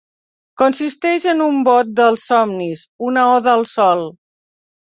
Consisteix en un bot dels somnis, una oda al sol.